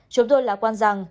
chúng tôi lạc quan rằng